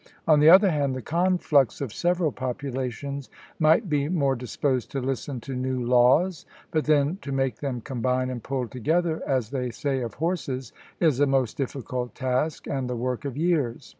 On the other hand, the conflux of several populations might be more disposed to listen to new laws; but then, to make them combine and pull together, as they say of horses, is a most difficult task, and the work of years.